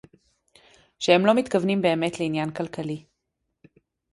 שהם לא מתכוונים באמת לעניין כלכלי